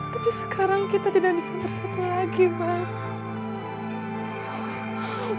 tapi sekarang kita tidak bisa bersatu lagi bang